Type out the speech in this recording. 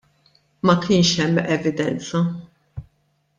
Ma kienx hemm evidenza.